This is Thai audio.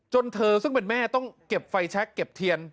เธอซึ่งเป็นแม่ต้องเก็บไฟแชคเก็บเทียน